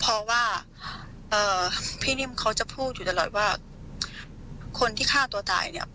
เพราะว่าพี่นิ่มเขาจะพูดอยู่ตลอดว่าคนที่ฆ่าตัวตายเนี่ย